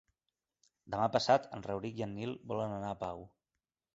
Demà passat en Rauric i en Nil volen anar a Pau.